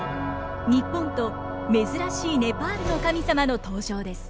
日本と珍しいネパールの神様の登場です。